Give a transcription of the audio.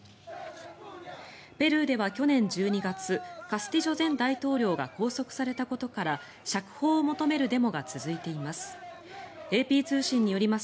ペルーでは去年１２月カスティジョ前大統領が拘束されたことから釈放を求めるデモが続いています。